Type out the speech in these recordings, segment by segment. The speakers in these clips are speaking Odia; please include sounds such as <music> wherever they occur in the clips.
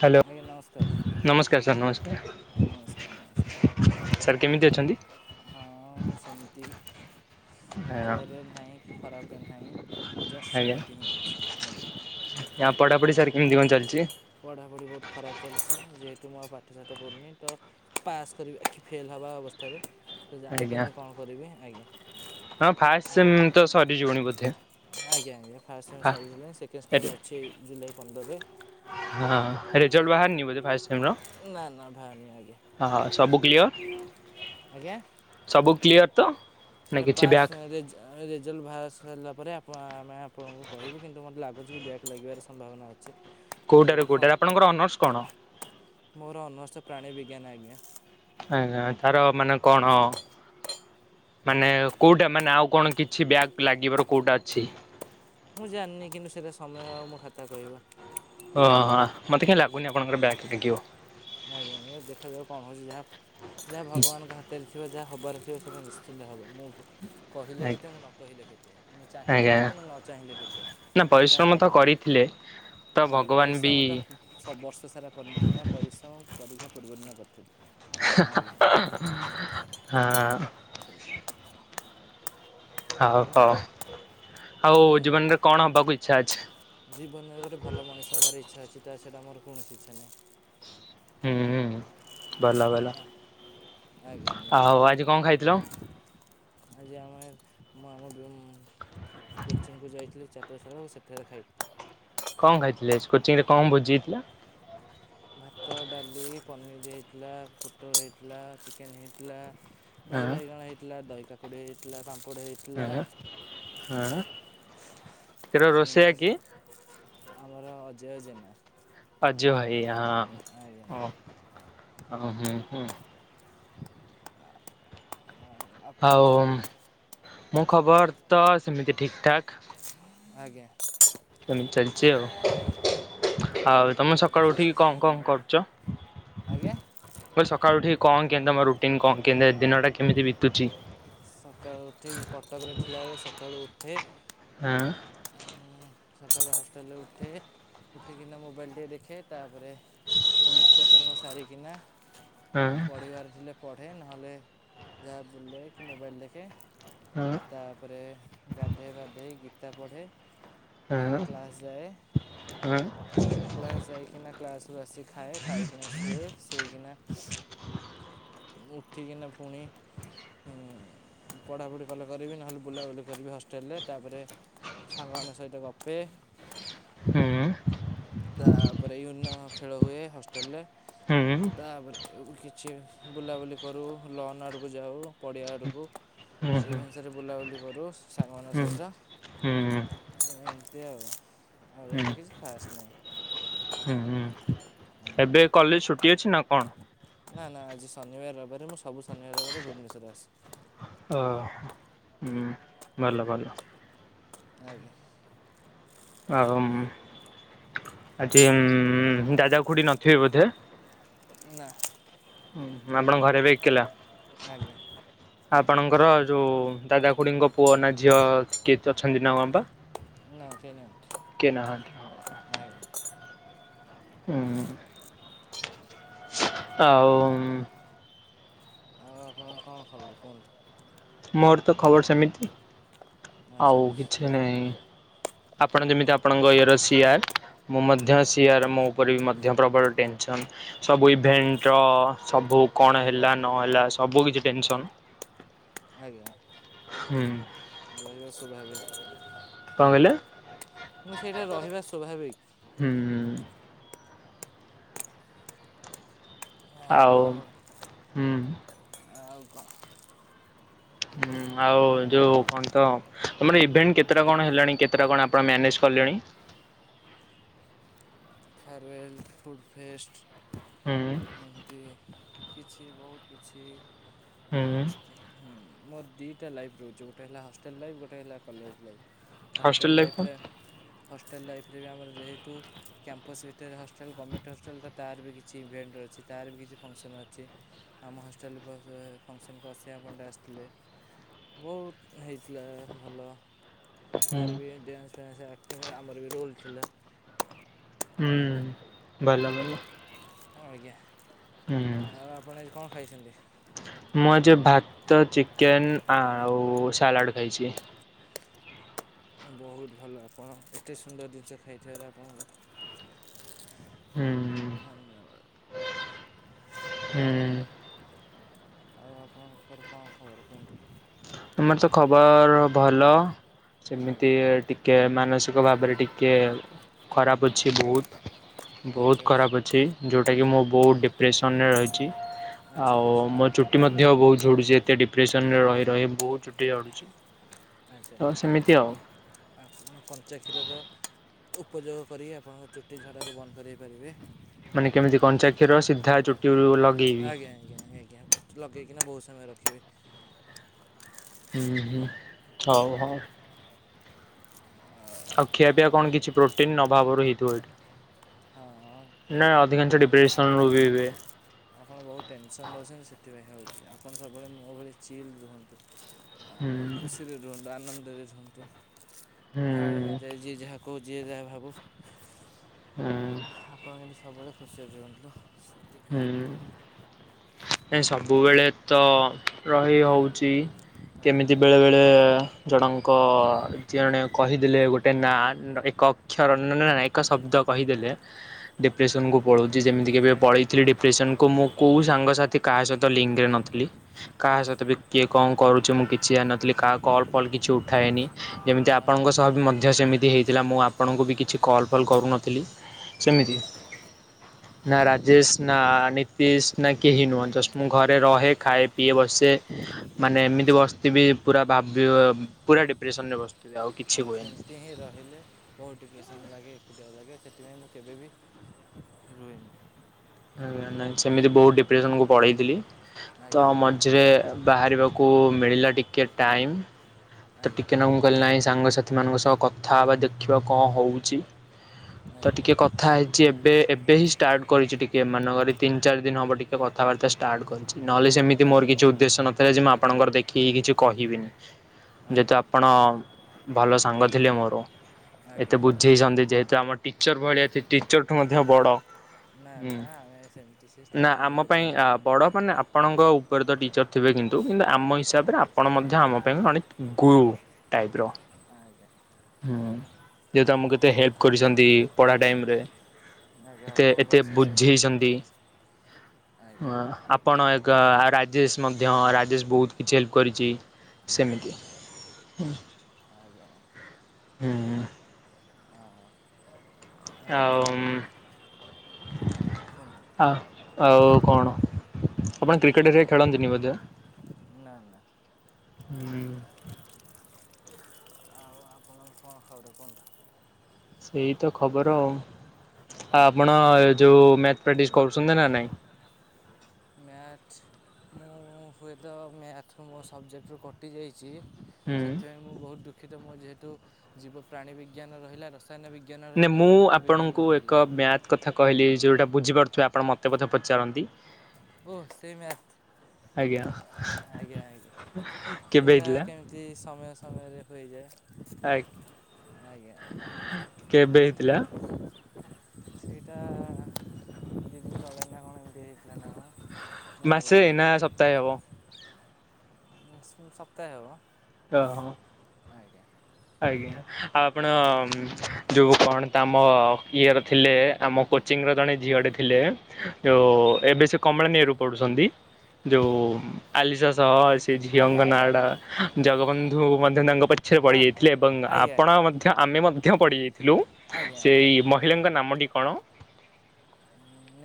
ହ୍ୟାଲୋ ଆଜ୍ଞା ନମସ୍କାର ନମସ୍କାର ସାର୍ ନମସ୍କାର। ସାର୍ କେମିତି ଅଛନ୍ତି? ହଁ ମୁଁ ସେମତି ହଁ। ଭଲରେ ନାହିଁ। କି ଖରାପରେ ନାହିଁ। ଜଷ୍ଟ ଆଜ୍ଞା ସେମିତି ହିଁ ଅଛି ଆଜ୍ଞା ଆ ପଢାପଢି ସାର୍ କେମତି କଣ ଚାଲିଛି? ପଢ଼ାପଢ଼ି ବହୁତ ଖରାପ ଚାଲିଛି ଯେହେତୁ ମୁଁ ଆଉ ପାଠସାଠ ପଢ଼ୁିନି ତ ପାସ୍ କରିବା ଏଠି ଫେଲ୍ ହେବା ଅବସ୍ଥାରେ। ତ ଜାଣିପାରୁନି କଣ କରିବି ଆଜ୍ଞା। ତମ ଫାଷ୍ଟ ତ ସେମ ସରି ଯିବଣି ବୋଧେ? ଆଜ୍ଞା! ଆଜ୍ଞା! ଫାଷ୍ଟ ସେମ ଫା ସରିଗଲାଣି ସେକେଣ୍ଡ ଏରେ ସେମ ଅଛି ଏଇ ଜୁଲାଇ ପନ୍ଦରରେ। ହଁ ରେଜଲ୍ଟ ବାହାରିନି ବଧେ ଫାଷ୍ଟ ସେମ ର ନା ନା ବାହାରିନି ଆଜ୍ଞା ହଁ ହଁ ସବୁ କ୍ଲିଅର। ଆଜ୍ଞା ସବୁ କ୍ଲିଅର ତ। ନା ସେଇଟା କିଛି ପାସ୍ ବ୍ୟାକ୍ ରେଜ ରେଜଲ୍ଟ ବାହାରି ସାରିଲା ପରେ ଆମେ ଆପଣଙ୍କୁ କହିବୁ କିନ୍ତୁ ମତେ ଲାଗୁଛି କି ବ୍ୟାକ ଲାଗିବାର ସମ୍ଭାବନା ଅଛି। କୋଉଟାରୁ ଦେଖାଯାଉ କ'ଣ କୋଉଟାରେ ଆପଣଙ୍କର ଅନର୍ସ କଣ? ମୋର ଅନର୍ସ ପ୍ରାଣୀ ବିଜ୍ଞାନ ଆଜ୍ଞା। ଆଜ୍ଞା ତାର ମାନେ କଣ ମାନେ କୋଉଟା ମାନେ ଆଉ କଣ କିଛି ବ୍ୟାକ୍ ଲାଗିବାର କୋଉଟା ଅଛି? ମୁଁ ଜାଣନି କିନ୍ତୁ ସେଇଟା ସମୟ ଆଉ ମୋ ଖାତା କହିବ। ଆଜ୍ଞା। ଓହୋ! ମତେ କାଇଁ ଲାଗୁନି ଆପଣଙ୍କର ବ୍ୟାକ୍ ଲାଗିବ। ଆଜ୍ଞା! ଆଜ୍ଞା! ଦେଖାଯାଉ କଣ ହଉଛି ଯାହା ଯାହା ଭଗବାନଙ୍କ ହାତରେ ଥିବ। ଯାହା ହବାରଥିବ ସେଇଟା ନିଶ୍ଚିନ୍ତ ହେବ ମୁଁ କହିଲେ କେତେ ଆଜ୍ଞା। ମୁଁ ନ କହିଲେ କେତେ, ମୁଁ ଚାହିଁଲେ ଆଜ୍ଞା କେତେ ମୁଁ ନ ଚାହିଁଲେ କେତେ, ନା ଯାହା ପରିଶ୍ରମ ତ ହବ। କରିଥିଲେ ତ ଆଜ୍ଞା ଭଗବାନ ବି ପରିଶ୍ରମ ତ ସବୁ ବର୍ଷ ସାରା କରିନଥିଲି ନା ପରିଶ୍ର ପରୀକ୍ଷା ପୂର୍ବଦିନ କରିଥିଲୁ। ହଁ। ଠିକ। ହଉ ହଉ ଆଉ କୁହନ୍ତୁ ଜୀବନ ରେ କଣ ହବାକୁ ଇଚ୍ଛା ଅଛି? ଜୀବନରେ ଗୋଟେ ଭଲ ମଣିଷ ହେବାର ଇଚ୍ଛା ଅଛି ତାଛଡ଼ା ମୋର କୌଣସି ଇଚ୍ଛା ନାହିଁ। ହୁଁ ହୁଁ। ଭଲ ଭଲ ଆଜ୍ଞା ଆଜ୍ଞା ଆଉ ଆଜି କଣ ଖାଇଥିଲ? ଆଜି ଆମେ ମୁଁ ଆମ ବ୍ୟୋମ୍ କୋଚିଂକୁ ଯାଇଥିଲିି ଚା ସେତିକିବେଳେ ଖାଇଲି। କଣ ଖାଇଥିଲେ କୋଚିଂ ରେ କଣ ଭୋଜି ହେଇଥିଲା? ଭାତ, ଡାଲି, ପନିର ହେଇଥିଲା, ପୋଟଳ ହେଇଥିଲା, ଚିକେନ୍ ହେଇଥିଲା। ଦହି ହଁ ବାଇଗଣ ହେଇଥିଲା, ଦହି କାକୁଡି ହେଇଥିଲା, ପାମ୍ପ ହଁ ହଁ। ତୋର ରୋଷେଇଆ ଏମତି କିଏ? ଆମର ଅଜୟ ଜେନା ଜୟ ଭାଇ ଆ ଆଜ୍ଞା ହ ହ ହୁ ହୁ। ଆଉ ଆପଣଙ୍କର ଆଉ ଖବର କଣ? ମୋ ଖବର ତ ସେମିତି ଠିକ୍ ଠାକ୍। ଆଜ୍ଞା। ଏଇ ଚାଲିଛି ଆଉ। ଆଜ୍ଞା ଆଉ ଆଜ୍ଞା ତମେ ଆପଣଙ୍କ ସକାଳୁ ଅଶେଷ ଉଠିକି ଅଶେଷ କଣ କଣ ଧନ୍ୟବାଦ କରୁଛ? ମୁଁ ଆଜ୍ଞା କହିଲି ସକାଳୁ ଉଠି କଣ କେମିତି ତମ ରୁଟିନ କଣ କେମ୍ ଦିନଟା କେମିତି ବିତୁଛି? ସକାଳୁ ଉଠି କଟକରେ ଥିଲାବେଳେ ସକାଳୁ ଉଠେ ହଁ ସକାଳୁ ହଷ୍ଟେଲରେ ଉଠେ ଉଠିକିନା ମୋବାଇଲ ଟିଏ ଦେଖେ ତାପରେ ମୁଁ ନିତ୍ୟକର୍ମ ସାରିକିନା ହଁ ପଢିବାର ଥିଲେ ପଢେ ନହେଲେ ଯାହା ବୁଲେ କି ମୋବାଇଲ ଦେଖେ। ହଁ। ତାପରେ ଗାଧୋଇ ପାଧୋଇ ଗୀତା ପଢ଼େ। ଏବେ ତାପରେ କ୍ଲାସ ଯାଏ, କ୍ଲାସ ଯାଇକିନା କ୍ଲାସରୁ ଆସି ଖାଏ, ଖାଇକିନା ଶୁଏ, ଶୋଇକିନା ମୁଁ ଉଠିକିନା ପୁଣି ପଢ଼ାପଢ଼ି କଲେ କରିବି ନହେଲେ ବୁଲାବୁଲି କରିବି ହଷ୍ଟେଲରେ ତାପରେ ସାଙ୍ଗମାନଙ୍କ ସହିତ ଗପେ। ହୁଁ। ତାପରେ ୟୁନ ଖେଳ ହୁଏ ହଷ୍ଟେଲରେ, ତାପରେ କିଛି ବୁଲାବୁଲି କରୁ ଲନ ଆଡ଼କୁ ଯାଉ ପଡ଼ିଆ ଆଡ଼କୁ ରେଭେନ୍ସାରେ ବୁଲାବୁଲି କରୁ ସାଙ୍ଗମାନଙ୍କ ସହିତ ଏମିତି ଆଉ ଆଉ ଏତେ କିଛି ଖାସ୍ ନାହିଁ। ଏବେ କଲେଜ ଛୁଟି ଅଛି ନା କଣ? ନା ନା ଆଜି ଶନିବାର ରବିବାର ରେ ମୁଁ ସବୁ ଶନିବାର ରବିବାରରେ ଭୁବନେଶ୍ୱର ଆସେ। ଓଃ। ଭଲ ଭଲ। ଆଜ୍ଞା। ଆଉ ଆଜି ଉଁ ଦାଦା ଖୁଡି ନଥିବେ ବୋଧେ? ନା। ହଁ ଆପଣ ଘରେ ଏବେ ଏକେଲା? ଆଜ୍ଞା। ଆପଣଙ୍କର ଯୋଉ ଦାଦା ଖୁଡିଙ୍କ ପୁଅ ନା ଝିଅ କିଏ ଅଛନ୍ତି ନା କଣ ପା? ନା କେହି ନାହାନ୍ତି କିଏ ନାହାନ୍ତି ନାଇଁ। ହୁଁ। ଆଉ। ଆଉ ଆପଣ କଣ ଖବର କୁହନ୍ତୁ? ମୋର ତ ଖବର ସେମିତି ଆଚ୍ଛା ଆଉ ଆଚ୍ଛା କିଛି ନାହିଁ। ଆପଣ ଯେମିତି ଆପଣଙ୍କ ଇଅର ସିଆର ମୁଁ ମଧ୍ୟ ସିଆର ମୋ ଉପରେ ବି ମଧ୍ୟ ପ୍ରବଳ ଟେନସନ୍ ସବୁ ଇଭେଣ୍ଟର ସବୁ କଣ ଆଜ୍ଞା ହେଲା ନହେଲା ସବୁକିଛି ଟେନସନ୍। ଆଜ୍ଞା ହୁଁ ରହିବା ସ୍ୱାଭାବିକ୍। କଣ କହିଲେ ଆଜ୍ଞା ମୁଁ ସେଇଟା ରହିବା ସ୍ୱାଭାବିକ। ହୁଁ। ଆଉ ହୁଁ। ଆଉ କ'ଣ ହୁଁ ଆଉ ଯୋଉ ଆଉ କଣ ତ ତମର ଇଭେଣ୍ଟ କେତେଟା କଣ ହେଲାଣି କେତେଟା କଣ ଆପଣ ମ୍ୟାନେଜ୍ କଲ୍ୟାଣୀ। ଫେଆରୱେଲ୍, ହୁଁ ଫୁଡ଼ପେଷ୍ଟ ଏମିତି କି କିଛି ବହୁତ୍ କିଛି ହୁଁ ଫାଷ୍ଟ ହୁଁ। ମୋର ଦିଟା ଲାଇଫ୍ ରହୁଛି ଗୋଟେ ହେଲା ହଷ୍ଟେଲ ଲାଇଫ୍ ଗୋଟେ ହେଲା college life. Hostel life life କଣ ରେ ହଷ୍ଟେଲ ଲାଇଫ୍ ରେ ରେ ବି ଆମର ଯେହେତୁ କ୍ୟାମ୍ପସ୍ ହଷ୍ଟେଲ ଗମେଣ୍ଟ୍ ହଷ୍ଟେଲ ତାର ବି କିଛି ଇଭେଣ୍ଟ୍ ଅଛି ତାର ବି କିଛି ଫଙ୍କସନ୍ ଅଛି ଆମ ହଷ୍ଟେଲ ଫଙ୍କସନ୍ ଅସୀମା ପଣ୍ଡା ଆ ଥିଲେ ବହୁତ୍ ହେଇଥିଲା ଭଲ ହୁଁ ତାର ବି ଡ୍ୟାନ୍ସ ଫ୍ୟାନ୍ସ ଆକ୍ଟିଂ ଆମର ବି ରୋଲ ଥିଲା। ହୁଁ ଭଲ ଭଲ। ଆଜ୍ଞା। ହୁଁ। ଆଉ ଆପଣ ଆଜି କ'ଣ ଖାଇଛନ୍ତି। ମୁଁ ଯେ ଭାତ ଚିକେନ୍ ଆଉ ସାଲାଡ଼ ଖାଇଛି। ବହୁତ୍ ଭଲ ଆପଣ ଏତେ ସୁନ୍ଦର ଜିନିଷ ଖାଇଥିବାର ଆପଣ ହୁଁ। ଧନ୍ୟବାଦ। ହୁଁ। ଆଉ ଆଉ ଆପଣଙ୍କର କଣ ଖବର କୁହନ୍ତୁ। ତମର ତ ଖବର ଭଲ। ସେମିତି ଆଜ୍ଞା ଟିକଏ ମାନସିକ ଭାବରେ ଟିକେଏ ଖରାପ ଅଛି ବହୁତ୍। ବୋହୁତ୍ ଆଚ୍ଛା ଆଚ୍ଛା ଖରାପ୍ ଅଛି ଯୋଉଟାକି ମୁଁ ବୋହୁତ୍ ଡି ଡିପ୍ରେସନରେ ରହିଛି ଆଚ୍ଛା ଆଉ ଆଚ୍ଛା ମୋ ଚୁଟି ମଧ୍ୟ ବହୁତ୍ ଝଡୁଛି ଏତେ ଡିପ୍ରେସନରେ ରହି ରହି ବହୁତ୍ ଚୁଟି ଝଡୁଛି। ଆଚ୍ଛା ତ ସେମିତି ଆଉ ଆପଣ କଞ୍ଚା କ୍ଷୀରର ଉପଯୋଗ କରି ଆପଣଙ୍କ ଚୁଟି ଝଡା କୁ ବନ୍ଦ କରଇ ପାରିବେ। ମାନେ କେମିତି କଞ୍ଚା କ୍ଷୀର ସିଧା ଚୁଟି ଆଜ୍ଞା ଆଜ୍ଞା ଆଜ୍ଞା ଆଜ୍ଞା ଲଗେଇକିନା ବହୁତ ସମୟ ରଖିବେ। ହୁଁ ହୁଁ ହଉ ଆଜ୍ଞା ହଉ। ଆଉ ଖିଆ ପିଆ କଣ କିଛି ପ୍ରୋଟିନ୍ ଅଭାବ ର ହେଇଥିବ ହଁ ଏଇଟା। ନାଁ ଅଧିକାଂଶ ଡିପ୍ରସନ ରୁ ବି ହୁଏ। ଆପଣ ବହୁତ ଟେନସନ୍ ରହୁଛନ୍ତି ସେଥିପାଇଁ ହେଉଛି ଆପଣ ସବୁବେଳେ ମୋ ଭଳି ଚିଲ୍ ରୁହନ୍ତୁ ହୁଁ ଆଉ ଖୁସିରେ ରୁହନ୍ତୁ ଆନନ୍ଦ ବାହାଡ଼ ମେ ହୁଁ ଯାଏ ଯିଏ ଯାହା କହୁ ଯିଏ ଯାହା ଭାବୁ। ଆପଣ ହୁଁ। କିନ୍ତୁ ସବୁବେଳେ ଖୁସିରେ ରୁହନ୍ତୁ। ସେତିକି ଏ ସବୁବେଳେ ତ ରହି ହଉଚି। ଆଜ୍ଞା କେମିତି ବେଳେ ବେଳେ ଜଣଙ୍କ ଯିଏ ଜଣେ କହିଦେଲେ ଗୋଟେ ନା ଏକ ଅକ୍ଷରନ ଏକ ଶବ୍ଦ କହିଦେଲେ ଡିପ୍ରେସନ କୁ ପଳ ଜି ଯେମିତି କେବେ ଆଜ୍ଞା ପଳେଇ ଡିପ୍ରେସନ କୁ ମୁଁ କୋଉ ସାଙ୍ଗସାଥି କାହା ସହିତ ଲିଙ୍କରେ ନଥିଲି କାହା ସହିତ ବି ହୁଁ କିଏ କଣ କରୁ ଯେ ମୁଁ କିଛି ଯାଣିନଥିଲି କା କଲ୍ ଫଲ୍ କିଛି ଉଠାନି ଯେମିତି ଆଜ୍ଞା ଆପଣଙ୍କ ସହ ମଧ୍ୟ ସେମିତି ହେଇଥିଲା ମୋ ମୁଁ ଆପଣଙ୍କୁ ବି କିଛି କଲ୍ ଫଲ୍ କରୁନଥିଲି। ଆଜ୍ଞା। ନା ରାଜେଶ ନା ନିତିଶ ନା କେହି ନୁହଁ ଆଜ୍ଞା ଜଷ୍ଟ ଆଜ୍ଞା ମୁଁ ଘରେ ରହେ ଖାଏ ପିଏ ବସେ ମାନେ ଏମିତି ଆଚ୍ଛା ବସିବି ପୁରା ବା ଭାବିବ ପୁରା ଡିପ୍ରେସନ୍ ରେ ବସୁ ହଁ ସେମିତି ହିଁ ରହିଲେ ବହୁତ ଡିପ୍ରେସନ୍ ଲାଗେ ଏକୁଟିଆ ଲାଗେ ସେଥିପାଇଁ ମୁଁ କେବେବି ରୁହେନି ନାଇଁ ସେମିତି ବହୁତ ଡିପ୍ରେସନ୍ କୁ ପଢେଇଥିଲି ତ ଆଜ୍ଞା ଆଜ୍ଞା ମଝିରେ ବାହାରିବାକୁ କୁ ମିଳିଲା ଟିକେ ଟାଇମ୍ ଆଜ୍ଞା ତ ଆଜ୍ଞା ଟିକେ ନ ମୁଁ କହିଲ ନାଇଁ ସାଙ୍ଗ ସାଥି ମାନଙ୍କ ସହ କଥା ବା ଦେଖିବା କଣ ହେଉଚି ତ ଆଜ୍ଞା ଟିକେ କଥା ହେ କିଛି ଏବେ ଏବେ ହିଁ ଷ୍ଟାର୍ଟ କରିଚି ଟିକିଏ ଏମାନଙ୍କର ତିନି ଚାରି ଦିନ ହେବ ଟିକିଏ କଥାବାର୍ତ୍ତା ଷ୍ଟାର୍ଟ କରିଚି। ନହେଲେ ସେମିତି ମୋର କିଛି ଉଦ୍ଦେଶ୍ୟ ନଥିଲା ଯେ ମୁଁ ଆପଣଙ୍କର ଦେଖିକି କିଛି କହିବିନି। ଯେହେତୁ ଆଜ୍ଞା ଆପଣ ଭଲ ସାଙ୍ଗ ଥିଲେ ମୋର। ଏତେ ଆଜ୍ଞା ଆଜ୍ଞା ବୁଝେଇଛନ୍ତି ଯେହେତୁ ଆମ ଟିଚର ଭଳିଆ ଥି ଟିଚର ଠୁ ମଧ୍ୟ ବଡ଼। ନା ନା ଆମେ ସେମିତି ସେ ନା ସ୍ଥାନ ଆମ ପାଇଁ ନେଇପାରିବୁନି ଆ ଆପଣ ବଡ ମାନେ ଆପଣଙ୍କ ଉପରେ ତ ଟି ଥିବେ କିନ୍ତୁ କିନ୍ତୁ ଆମ ହଁ ହିସାବରେ ଆପଣ ମଧ୍ୟ ଆମ ପାଇଁ ଜଣେ ଗୁରୁ ଟାଇପ୍ ର ଆଜ୍ଞା ହୁଁ। ଯେହେତୁ ଆମକୁ କେତେ ହେଲ୍ପ କରିଛନ୍ତି ପଢ଼ା ଟାଇମ୍ ରେ। ଆଜ୍ଞା ଆପଣଙ୍କୁ ଅଶେଷ ଅଶେଷ ଧନ୍ୟବାଦ। ଆଜ୍ଞା ହଁ ଆପଣ ଏକ ରାଜ ରାଜେଶ ମଧ୍ୟ ରାଜେଶ ବହୁତ କିଛି ହେଲ୍ପ କରିଚି ସେମିତି। ଆଜ୍ଞା ଆଜ୍ଞା। ହୁଁ। ଅ ହ। ଆଉ କୁହନ୍ତୁ ଆ ଆଉ କଣ। ଆପଣ କ୍ରିକେଟ୍ ହେରିକା ଆଉ ଖେଳନ୍ତିନି ବୋଧେ? ନା ନା ହୁଁ। ଆଉ ଆପଣଙ୍କ କଣ ଖବର କୁହନ୍ତୁ। ସେଇ ତ ଖବର ଆଉ। ଆଉ ଆଚ୍ଛା ଆପଣ ଆଚ୍ଛା। ଯୋଉ ମ୍ୟାଥ ପ୍ରାକ୍ଟିସ୍ କରୁଚନ୍ତି ନା ନାଇଁ? ମ୍ୟାଥ ମୁଁ ହୁଏତ ମ୍ୟାଥ ମୋ ସବଜେକ୍ଟରୁ କଟି ଯାଇ ଛି ହୁଁ। ସେଥିପାଇଁ ମୁଁ ବହୁତ ଦୁଃଖିତ ମୋ ଯେହେତୁ ଜୀବ ପ୍ରାଣୀ ବିଜ୍ଞାନ ରହିଲା ର ନା ମୁଁ ଆପଣଙ୍କୁ ଏକ ମ୍ୟାଥ କଥା କହିଲି ଯୋଉଟା ବୁଝିପାରୁଥିବେ ଆପଣ ମୋତେ ମଧ୍ୟ ପଚାରନ୍ତି। ଓହ ସେଇ ମ୍ୟାଥ। ଆଜ୍ଞା। ଆଜ୍ଞା ଆଜ୍ଞା କେବେ ସେଇଟା ହେଇଥିଲା? କେମିତି ସମୟ ସମୟରେ ହୋଇଯାଏ। ଆ ଆଜ୍ଞା କେବେ ହେଇଥିଲା? ସେଇଟା ଏମ ଦିଦିନ ତଳେ ନା କଣ ଏମିତି ହେଇ ମାସେ ନା ସପ୍ତାହେ ହବ? ଉ ସପ୍ତାହେ ହବ। ଅ ହ। ଆଜ୍ଞା। ଆଜ୍ଞା ଆଉ ଆପଣ ଯୋଉ କଣ ତମ ଇଏର ଥିଲେ ଆମ କୋଚିଂର ଜଣେ ଝିଅଟେ ଥିଲେ ଯୋଉ ଏବେ ସେ କମଳାନୀରୁ ପଡୁଛନ୍ତି ଯୋଉ ଆଲିସା ସହ ସେ ଆଜ୍ଞା ଆଜ୍ଞା ଝିଅଙ୍କ ଆଜ୍ଞା ନାଡା ହଁ ଜଗବନ୍ଧୁ ମଧ୍ୟ ତାଙ୍କ ପଛରେ ପଡି ହଁ ଯାଇ ହଁ ଏବଂ ଆଜ୍ଞା ଆଜ୍ଞା। ଆପଣ ମଧ୍ୟ ଆମେ ମଧ୍ୟ ପଡିଯାଇଥିଲୁ ଆଜ୍ଞା ଆଜ୍ଞା ସେଇ ମହିଳାଙ୍କ ନାମ ଟି କଣ।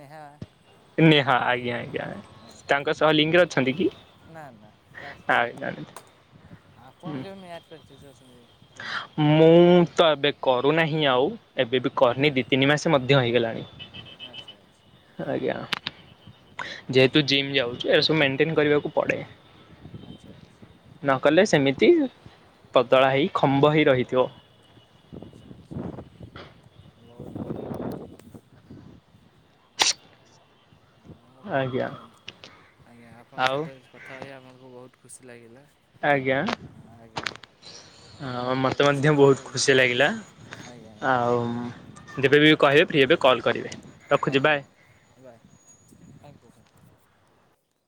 ନେହା। ନେହା ଆଜ୍ଞା ଆଜ୍ଞା ଆଜ୍ଞା ତାଙ୍କ ସହ ଲିଙ୍ଗରେ ଅଛନ୍ତି କି? ନା ନା ତାସ ଆଜ୍ଞା ଆପଣ କେବେ ମ୍ୟାଥ ପ୍ରାଟିସ ଅଛନ୍ତି। ମୁଁ ତ ଏବେ କ କରୁନାହିଁ ଆଉ ଏବେ ବି କରନି ଦୁଇ ତିନି ମାସ ମଧ୍ୟ ହେଇଗଲାଣି। ଆଚ୍ଛା ଆଜ୍ଞା। ଆଚ୍ଛା। ଯେହେତୁ ଜିମ୍ ଯାଉଚୁ ଏ ସବୁ ମେଣ୍ଟେନ କରିବାକୁ ପଡେ। ଆଚ୍ଛା ଆଚ୍ଛା ନକଲେ ସେମିତି ପତଳା ହେଇ ଖମ୍ବ ହୋଇ ରହିଥିବ। <unintelligible> ହଁ ଆଜ୍ଞା। କୁହନ୍ତୁ ଆଜ୍ଞା ଆପଣଙ୍କ ଆଉ ସହିତ କଥା ହେଇ ଆମଙ୍କୁ ବହୁତ୍ ଖୁସି ଲାଗିଲା। ଆଜ୍ଞା ଆଜ୍ଞା ମତେ ଆପଣଙ୍କର ମଧ୍ୟ ସମୟ ବହୁତ୍ ହୋଇଯିବ ଖୁସି ଲାଗିଲା। ଆଜ୍ଞା ଆଜ୍ଞା ଆଉ ଯେବେ ବି କହିବେ ଫ୍ରି ହେବେ କଲ୍ କରିବେ ରଖୁଛି ଆଜ୍ଞା ବାଏ। ଆଜ୍ଞା ବାଏ। Thank you thank you <inaudible>